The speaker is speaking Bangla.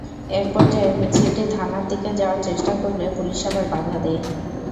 একপর্যায়ে মিছিলটি থানার দিকে যাওয়ার চেষ্টা করলে পুলিশ আবার বাধা দেয়।